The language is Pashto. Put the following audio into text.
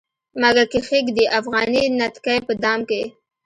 مګر کښيږدي افغاني نتکۍ په دام کې